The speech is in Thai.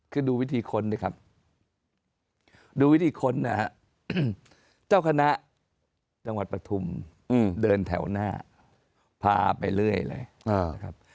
คือดูวิธีค้นเนี่ยครับเดือนแถวหน้าพาไปเรื่อยเลยครับ